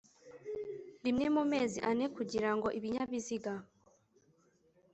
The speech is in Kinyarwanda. rimwe mu mezi ane kugira ngo Ibinyabiziga